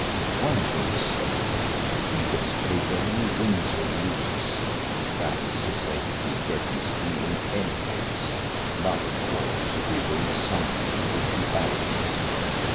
One thing is certain: he gets paid whether he wins or loses; that is to say, he gets his fee in any case, but of course if he wins something will be added to his fee.